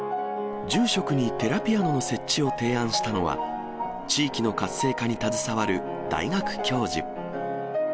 住職に寺ピアノの設置を提案したのは、地域の活性化に携わる大学教授。